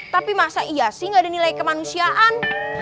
tapi masa iya sih gak ada nilai kemanusiaan